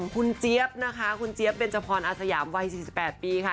คุณเจี๊ยบนะคะคุณเจี๊ยบเบนจพรอาสยามวัย๔๘ปีค่ะ